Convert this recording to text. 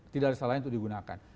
tidak ada salah yang digunakan